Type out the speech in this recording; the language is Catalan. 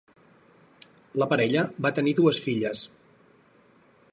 La parella va tenir dues filles.